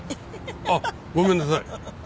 あっごめんなさい。